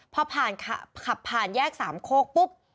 พอขับผ่านแยกสามโคกปุ๊บ